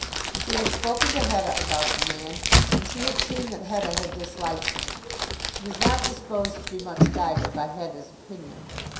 She had spoken to Hetta about the man, and she had seen that Hetta had disliked him. She was not disposed to be much guided by Hetta's opinion.